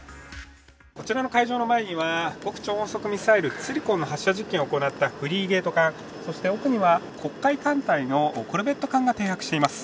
こちらの会場の前には極超音速巡航ミサイル、ツィルコンの発射実験を行ったフリーゲート鑑、そして奥には、黒海艦隊のコルベット艦が停泊しています。